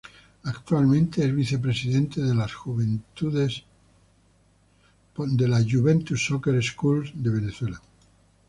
Actualmente es vice-presidente de la Juventus Soccer Schools Venezuela.